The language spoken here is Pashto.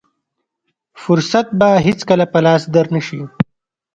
فرصت به هېڅکله په لاس در نه شي.